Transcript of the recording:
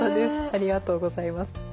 ありがとうございます。